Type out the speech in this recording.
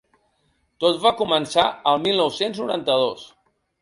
Tot va començar el mil nou-cents noranta-dos.